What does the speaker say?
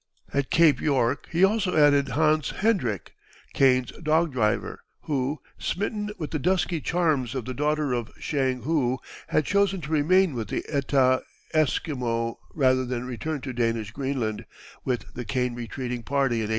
At Cape York he also added Hans Hendrik, Kane's dog driver, who, smitten with the dusky charms of the daughter of Shang hu, had chosen to remain with the Etah Esquimaux rather than return to Danish Greenland with the Kane retreating party in 1855.